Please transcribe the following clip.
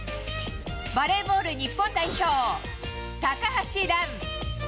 バレーボール日本代表、高橋藍。